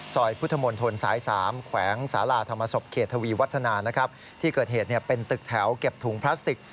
ซอยพุทธมนต์ธนศาสตร์๓แขวงสาราธรรมศพเขตวีวัฒนาที่เกิดเหตุเป็นตึกแถวเก็บถุงพลาสติก